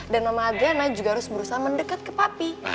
dan mama adriana juga harus berusaha mendekat ke papi